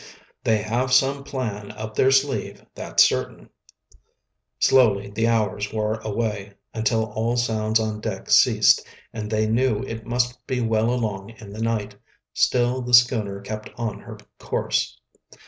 "They have some plan up their sleeve, that's certain." Slowly the hours wore away, until all sounds on deck ceased, and they knew it must be well along in the night. Still the schooner kept on her course.